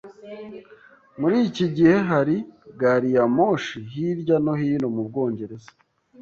Muri iki gihe hari gari ya moshi hirya no hino mu Bwongereza.